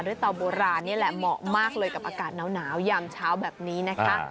เตาโบราณนี่แหละเหมาะมากเลยกับอากาศหนาวยามเช้าแบบนี้นะคะ